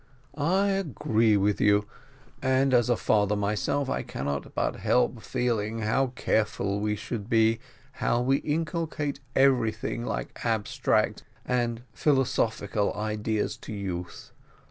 "I agree with you, and, as a father myself, I cannot but help feeling how careful we should be how we inculcate anything like abstract and philosophical idea to youth.